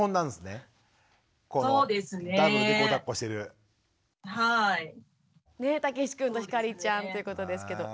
ねったけしくんとひかりちゃんということですけど。